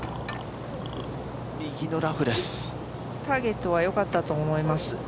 ターゲットは良かったと思います。